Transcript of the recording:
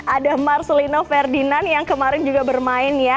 ada marcelino ferdinand yang kemarin juga bermain ya